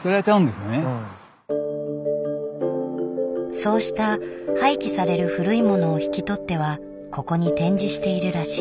そうした廃棄される古いものを引き取ってはここに展示しているらしい。